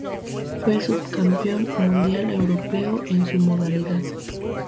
Fue subcampeón mundial europeo en su modalidad.